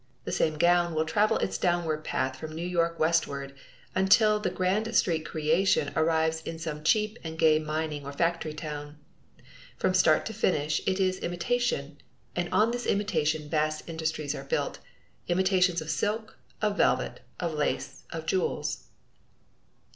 This same gown will travel its downward path from New York westward, until the Grand St. creation arrives in some cheap and gay mining or factory town. From start to finish it is imitation, and on this imitation vast industries are built imitations of silk, of velvet, of lace, of jewels.